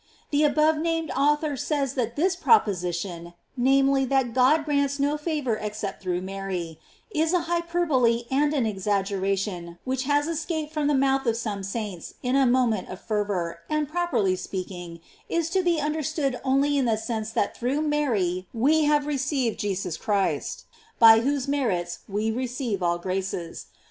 The above named author says that this proposition, namely, that God grants no favor except through Mary, is an hyperbole and an exaggeration which has es caped from the mouth of some saints in a mo ment of fervor, and properly speaking, is to be understood only in the sense that through Mary we have received Jesus Christ, by whose merits we receive all graces.